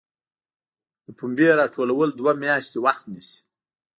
د پنبې راټولول دوه میاشتې وخت نیسي.